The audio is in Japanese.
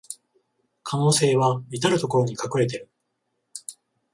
可能性はいたるところに隠れてる